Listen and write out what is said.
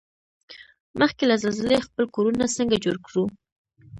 مخکې له زلزلې خپل کورنه څنګه جوړ کوړو؟